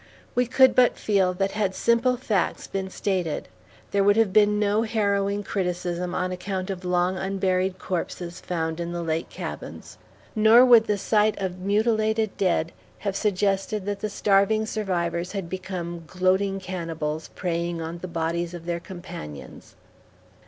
We could but feel that had simple facts been stated, there would have been no harrowing criticism on account of long unburied corpses found in the lake cabins. Nor would the sight of mutilated dead have suggested that the starving survivors had become "gloating cannibals, preying on the bodies of their companions."